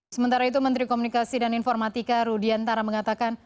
sementara itu menteri komunikasi dan informatika rudiantara mengatakan